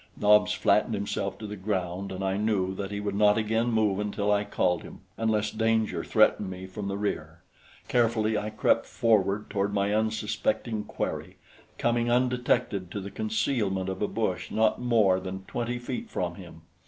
Nobs flattened himself to the ground, and I knew that he would not again move until I called him, unless danger threatened me from the rear. Carefully I crept forward toward my unsuspecting quarry, coming undetected to the concealment of a bush not more than twenty feet from him.